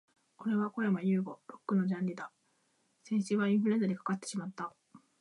俺はこやまゆうご。Lock のジャンリだ。先週はインフルエンザにかかってしまった、、、